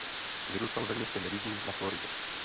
Vyrůstal ve městě Madison na Floridě.